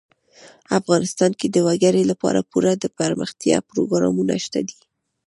افغانستان کې د وګړي لپاره پوره دپرمختیا پروګرامونه شته دي.